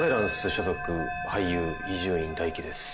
所属俳優伊集院大樹です。